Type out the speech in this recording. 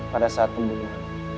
pada saat pembunuh